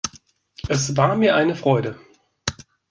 Es war mir eine Freude.